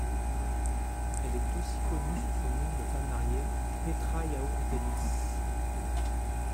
Elle est aussi connue sous son nom de femme mariée, Petra Jauch Delhees.